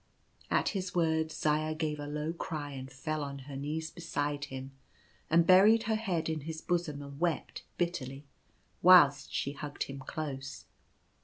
At his words Zaya gave a low cry and fell on her knees beside him, and buried her head in his bosom and wept bitterly, whilst she hugged him close.